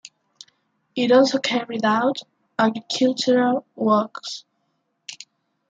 It also carried out agricultural works.